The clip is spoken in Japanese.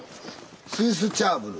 スイスチャーブル。